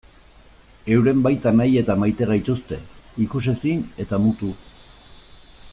Euren baitan nahi eta maite gaituzte, ikusezin eta mutu.